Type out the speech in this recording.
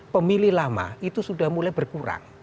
pemilih lama itu sudah mulai berkurang